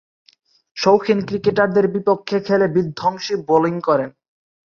শৌখিন ক্রিকেটারদের বিপক্ষে খেলে বিধ্বংসী বোলিং করেন।